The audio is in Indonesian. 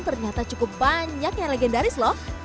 ternyata cukup banyak yang legendaris loh